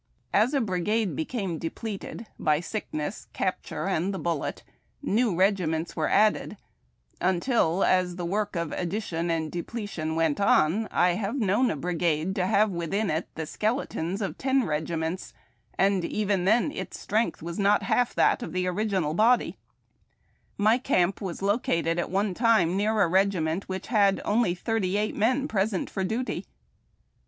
As a brigade became depleted by sickness, cap ture, and the bullet, new regiments were added, until, as the work of addition and depletion went on, I have known a brio ade to have within it the skeletons of ten regiments, and even then its strength not half that of the original body, M}' cam}) was located at one time near a regiment which had only tlurtij eiijht vien present for duty.